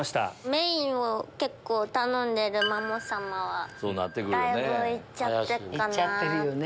メインを結構頼んでるマモさまはだいぶいっちゃってっかなって。